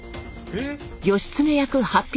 えっ！？